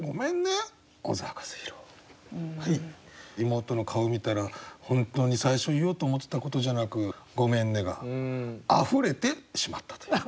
妹の顔を見たら本当に最初言おうと思ってたことじゃなく「ごめんね」が溢れてしまったという。